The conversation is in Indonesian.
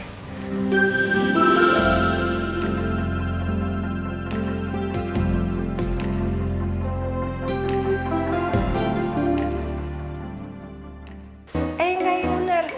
eh gak ya bener